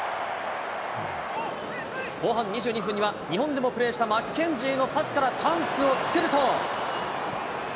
後半２２分には、日本でもプレーしたマッケンジーのパスからチャンスを作ると。